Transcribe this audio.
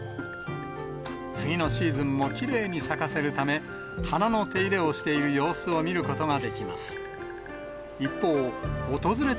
次のシーズンもきれいに咲かせるため、花の手入れをしている様子を見ることができます。